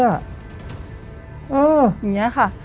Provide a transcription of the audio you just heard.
อย่างนี้ค่ะ